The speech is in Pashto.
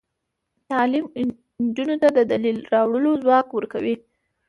تعلیم نجونو ته د دلیل راوړلو ځواک ورکوي.